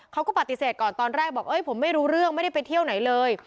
เขาก็ปฏิเสธก่อนตอนแรกบอกผมไม่รู้เรื่องไม่ได้ไปเที่ยวไหนเลย